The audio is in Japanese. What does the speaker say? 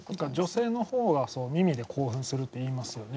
女性の方が耳で興奮するっていいますよね。